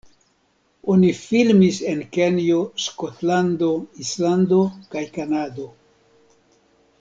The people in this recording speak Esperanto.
Oni filmis en Kenjo, Skotlando, Islando kaj Kanado.